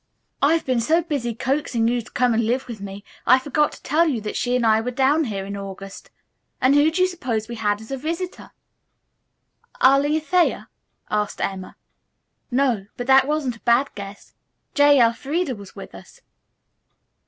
"I've been so busy coaxing you to come and live with me, I forgot to tell you that she and I were down here in August, and who do you suppose we had as a visitor?" "Arline Thayer?" asked Emma. "No; but that wasn't a bad guess. J. Elfreda was with us."